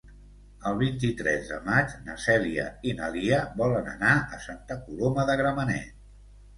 El vint-i-tres de maig na Cèlia i na Lia volen anar a Santa Coloma de Gramenet.